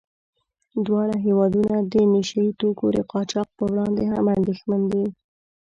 دواړه هېوادونه د نشه يي توکو د قاچاق په وړاندې هم اندېښمن دي.